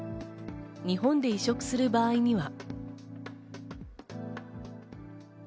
日本で移植する場合には。